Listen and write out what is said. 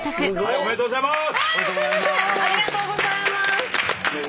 ありがとうございます！